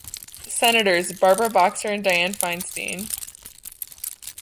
Senators: Barbara Boxer and Dianne Feinstein.